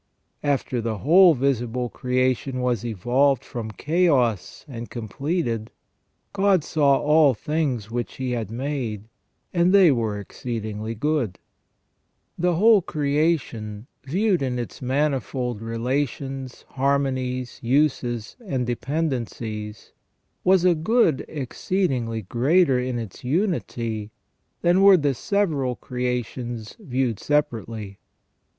After the whole visible creation was evolved from chaos and completed, ^' God saw all things which He had made, and they were exceed ingly good ". The whole creation, viewed in its manifold relations, harmonies, uses, and dependencies, was a good exceedingly greater in its unity than were the several creations viewed separately.